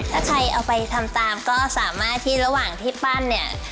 ถ้าใครเอาไปทำตามก็สามารถที่ระหว่างที่ปั้นเนี่ย